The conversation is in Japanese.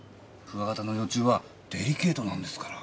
クワガタの幼虫はデリケートなんですから。